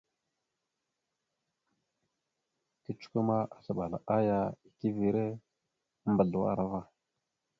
Kecəkwe ma, azləɓal aya ekeve a mbazləwar va.